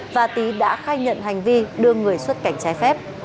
và tý đã khai nhận hành vi đưa người xuất cảnh trái phép